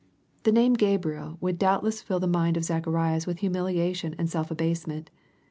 The name " Gabriel" would doubtless fill the mind ol Zacharias with humiliation and self abasement.